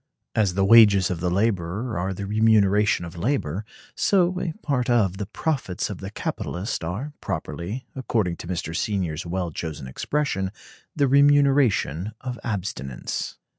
As the wages of the laborer are the remuneration of labor, so [a part of] the profits of the capitalist are properly, according to Mr. Senior's well chosen expression, the remuneration of abstinence.